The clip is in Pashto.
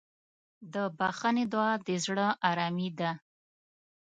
د بښنې دعا د زړه ارامي ده.